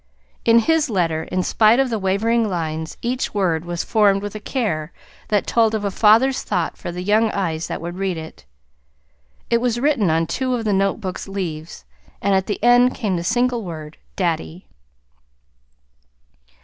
In his letter, in spite of the wavering lines, each word was formed with a care that told of a father's thought for the young eyes that would read it. It was written on two of the notebook's leaves, and at the end came the single word "Daddy."